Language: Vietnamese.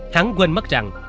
hắn quên mất rằng